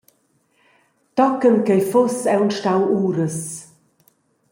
Tochen ch’ei fuss aunc stau uras.